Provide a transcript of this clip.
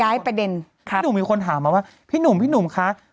ประเด็นพี่หนุ่มมีคนถามมาว่าพี่หนุ่มพี่หนุ่มคะ